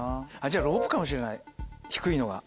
じゃあロープかもしれない低いのが。